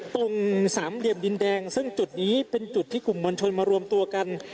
ตรงสามเหลี่ยมดินแดงซึ่งจุดนี้เป็นจุดที่กลุ่มมวลชนมารวมตัวกัน